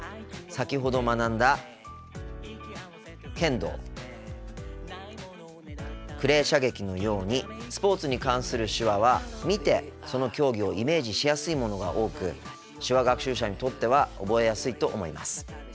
先ほど学んだ「剣道」「クレー射撃」のようにスポーツに関する手話は見てその競技をイメージしやすいものが多く手話学習者にとっては覚えやすいと思います。